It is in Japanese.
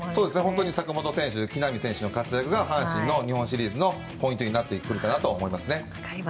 本当に坂本選手、木浪選手の活躍が阪神の日本シリーズのポイントになってくるかなと思いますね。